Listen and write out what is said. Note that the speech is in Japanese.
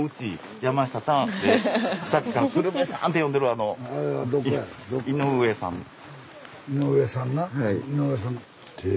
井上さん。